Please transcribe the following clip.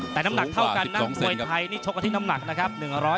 แต่น้ำหนักเท่ากันนะมวยไทยนี่ชกกันที่น้ำหนักนะครับ